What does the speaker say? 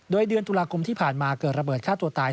โดยเดือนตุลาคมที่ผ่านมาเกิดระเบิดฆ่าตัวตาย